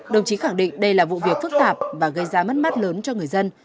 đồng chí khẳng định đây là vụ việc phức tạp và gây ra mất mát lớn cho người dân